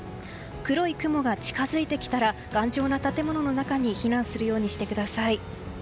黒い雲が近づいてきたら頑丈な建物の中に避難するようにしてください。